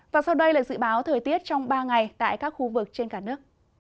và sau đây là dự báo thời tiết trong ba ngày tại các khu vực trên cả nước